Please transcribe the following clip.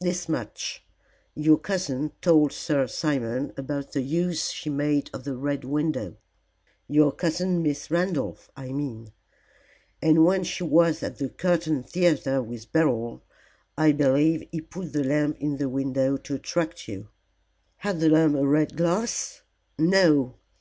"This much. Your cousin told Sir Simon about the use she made of the Red Window your cousin Miss Randolph, I mean and when she was at the Curtain Theatre with Beryl, I believe he put the lamp in the window to attract you." "Had the lamp a red glass?" "No.